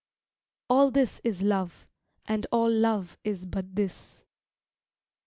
All this is love; and all love is but this.